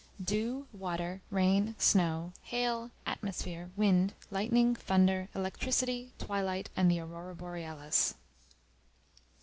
DEW, WATER, RAIN, SNOW, HAIL, ATMOSPHERE, WIND, LIGHTNING, THUNDER, ELECTRICITY, TWILIGHT, AND THE AURORA BOREALIS.